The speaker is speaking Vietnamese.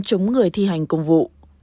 chống người thi hành công vụ